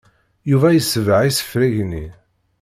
Yuba yesbeɣ isefreg-nni.